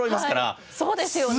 はいそうですよね！